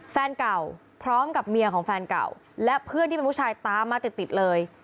แฟนเก่าพร้อมกับเมียของแฟนเก่าและเพื่อนที่เป็นผู้ชายตามมาติดติดเลย